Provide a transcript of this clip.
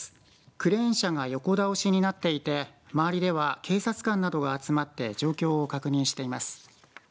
クレーン車が横倒しになっていて周りでは警察官などが集まって状況を確認しています。